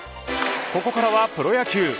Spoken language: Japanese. ここからはプロ野球。